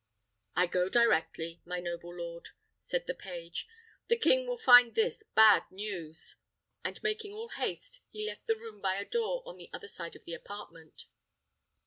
"I go directly, my noble lord," said the page. "The king will find this bad news;" and making all haste, he left the room by a door on the other side of the apartment.